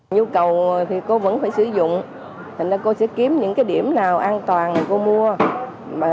nhu cầu thì cô vẫn phải sử dụng thành ra cô sẽ kiếm những điểm nào an toàn cô mua